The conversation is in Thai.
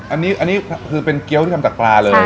อันนี้คือเป็นเกี้ยวที่ทำจากปลาเลย